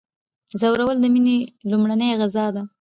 ځورول د میني لومړنۍ غذا ده.